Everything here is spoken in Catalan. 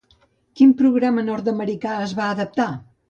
Quin programa nord-americà es va adaptar?